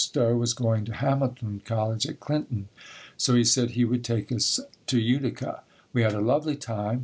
Stowe was going to Hamilton College at Clinton, so he said he would take us to Utica. We had a lovely time.